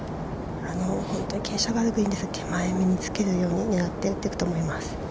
本当に傾斜があるので、手前めにつけるように狙って打っていくと思います。